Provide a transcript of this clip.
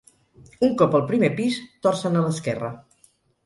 Un cop al primer pis torcen a l'esquerra.